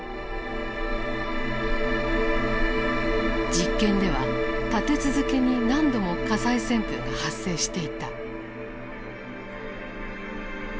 実験では立て続けに何度も火災旋風が発生していた。